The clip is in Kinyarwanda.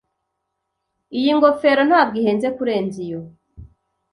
Iyi ngofero ntabwo ihenze kurenza iyo.